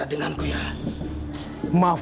aduh kru nyakit